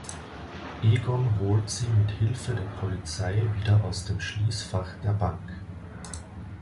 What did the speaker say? Egon holt sie mit Hilfe der Polizei wieder aus dem Schließfach der Bank.